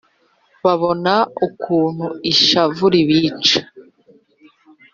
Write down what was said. Babona ukuntu ishavu ribica.